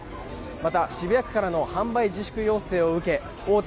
また、渋谷区からの販売自粛要請を受け大手